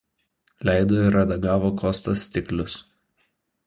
Leido ir redagavo Kostas Stiklius.